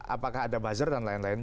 apakah ada buzzer dan lain lain